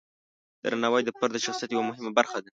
درناوی د فرد د شخصیت یوه مهمه برخه ده.